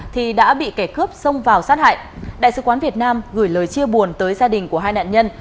thì đã bị kẻ cướp xông vào sát hại đại sứ quán việt nam gửi lời chia buồn tới gia đình của hai nạn nhân